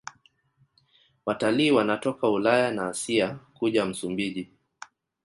Watalii wanatoka Ulaya na Asia kuja Msumbiji